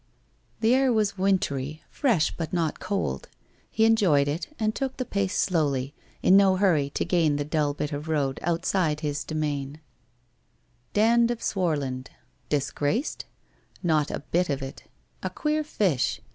... The air was wintry, fresh, but not cold. He enjoyed it and took the pace slowly, in no hurry to gain the dull bit of road outside his demesne. 374. WHITE ROSE OF WEARY LEAF Dand of Swarland. ... Disgraced ? No, not a bit of it! A queer fish!